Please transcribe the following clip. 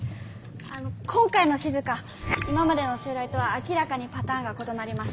あの今回のしずか今までの襲来とは明らかにパターンが異なります。